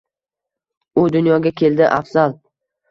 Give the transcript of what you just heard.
U dunyoga keldi afzal